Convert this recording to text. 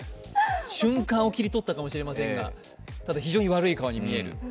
瞬間を切り取ったかもしれませんが、非常に悪い顔に見える。